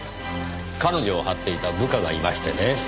彼女を張っていた部下がいましてね。